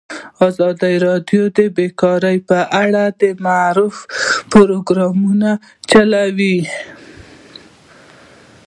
ازادي راډیو د بیکاري په اړه د معارفې پروګرامونه چلولي.